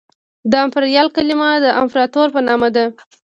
د امپریال کلمه د امپراطور په مانا ده